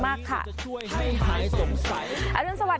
มันจะช่วยให้หายสงสัย